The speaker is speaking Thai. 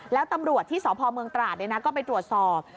แล้วตำรวจที่สพเมืองตราดก็ไปตรวจสอบ